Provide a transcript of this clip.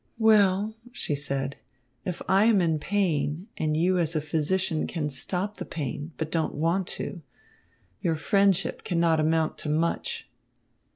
"Well," she said, "if I am in pain and you as a physician can stop the pain, but don't want to, your friendship cannot amount to much."